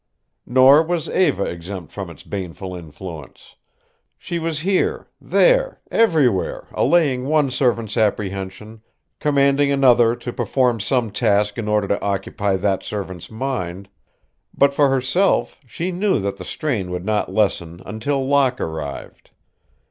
Nor was Eva exempt from its baneful influence. She was here, there, everywhere, allaying one servant's apprehension, commanding another to perform some task in order to occupy that servant's mind but, for herself, she knew that the strain would not lessen until Locke arrived.